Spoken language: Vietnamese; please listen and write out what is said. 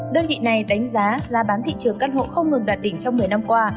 đơn vị này đánh giá giá bán thị trường căn hộ không ngừng đạt đỉnh trong một mươi năm qua